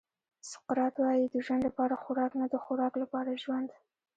سقراط وایي د ژوند لپاره خوراک نه د خوراک لپاره ژوند.